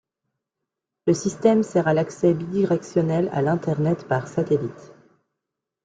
Le système sert à l'accès bidirectionnel à l'Internet par satellite.